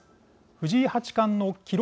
藤井八冠の記録